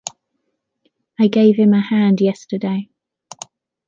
I gave him a hand yesterday.